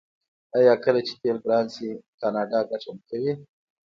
آیا کله چې تیل ګران شي کاناډا ګټه نه کوي؟